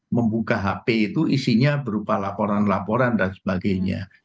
membuka hp itu isinya berupa laporan laporan dan sebagainya